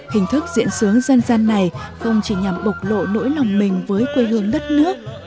hình thức diễn sướng dân gian này không chỉ nhằm bộc lộ nỗi lòng mình với quê hương đất nước